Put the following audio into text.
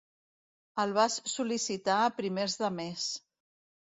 El vas sol·licitar a primers de mes.